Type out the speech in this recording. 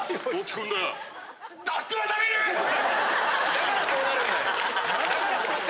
だからそうなるんだよ。